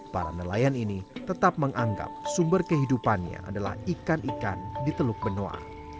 para nelayan ini tetap menganggap sumber kehidupannya adalah ikan ikan di teluk benoa